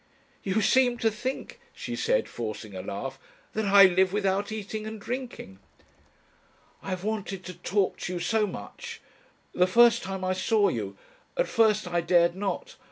"You seem to think," she said, forcing a laugh, "that I live without eating and drinking." "I have wanted to talk to you so much. The first time I saw you.... At first I dared not....